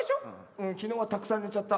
うん昨日はたくさん寝ちゃった。